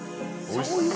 おいしい？